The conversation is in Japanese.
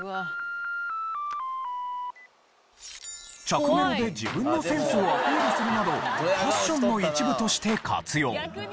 着メロで自分のセンスをアピールするなどファッションの一部として活用。